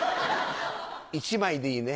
１枚でいいね。